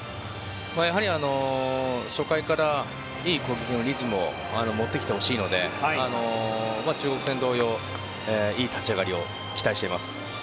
やはり初回からいいリズムを持ってきてほしいので中国戦同様、いい立ち上がりを期待しています。